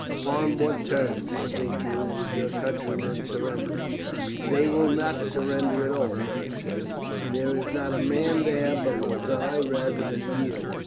"Upon what terms, think you, would your countrymen surrender?" "They will not surrender at all," Beric said; "there is not a man there but will die rather than yield.